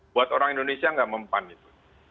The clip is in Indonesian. buat orang indonesia nggak mempan itu